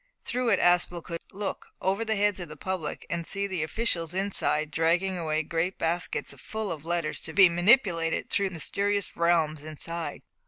Through it Aspel could look over the heads of the public and see the officials inside dragging away great baskets full of letters to be manipulated in the mysterious realms inside.